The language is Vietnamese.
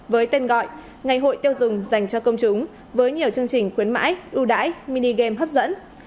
với tên gọi ngày hội tiêu dùng dành cho công chúng với nhiều chương trình khuyến mãi ưu đãi mini game hấp dẫn